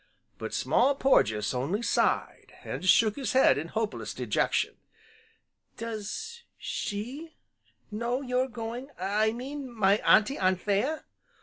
But Small Porges only sighed, and shook his head in hopeless dejection. "Does she know you're going, I mean my Auntie Anthea?"